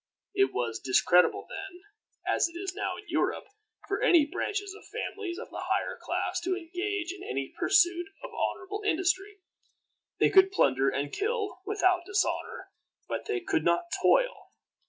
It was discreditable then, as it is now in Europe, for any branches of families of the higher class to engage in any pursuit of honorable industry. They could plunder and kill without dishonor, but they could not toil.